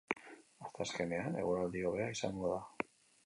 Asteazkenean eguraldia hobea izango da.